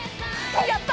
やった！